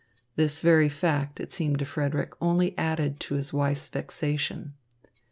This very fact, it seemed to Frederick, only added to his wife's vexation.